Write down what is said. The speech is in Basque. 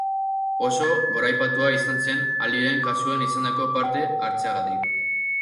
Oso goraipatua izan zen Aliren kasuan izandako parte-hartzeagatik.